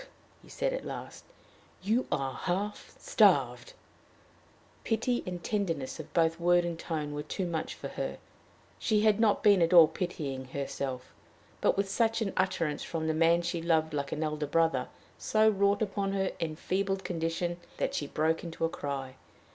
he said at last, "you are half starved!" The pity and tenderness of both word and tone were too much for her. She had not been at all pitying herself, but such an utterance from the man she loved like an elder brother so wrought upon her enfeebled condition that she broke into a cry.